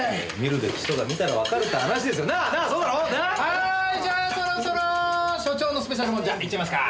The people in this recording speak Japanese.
はーいじゃあそろそろ署長のスペシャルもんじゃいっちゃいますか。